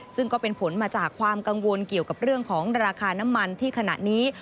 ซึ่งก็เป็นผลมาจากความกังวลเกี่ยวกับเรื่องของราคาน้ำมันที่ขณะนี้